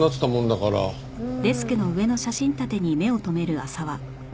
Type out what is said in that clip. うん。